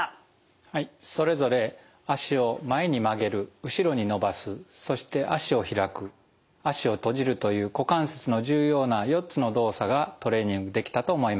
はいそれぞれ脚を前に曲げる後ろに伸ばすそして脚を開く脚を閉じるという股関節の重要な４つの動作がトレーニングできたと思います。